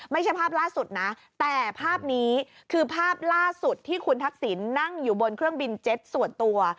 ไม่ใช่ภาพล่าสุดนะแต่ภาพนี้คือภาพล่าสุดที่คุณทักษิณนั่งอยู่บนเครื่องบินเจ็ตส่วนตัว